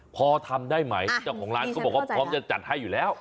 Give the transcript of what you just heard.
พอทำได้ไหมเจ้าของร้านก็บอกว่าพร้อมจะจัดให้อยู่แล้ว